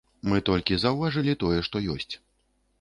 Мы толькі заўважылі тое, што ёсць.